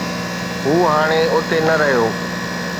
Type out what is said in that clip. هو هاڻي اتي نه رهيو.